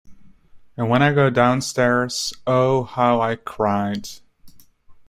And when I got downstairs, oh, how I cried!